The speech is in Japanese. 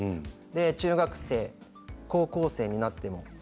中学生、高校生になっても。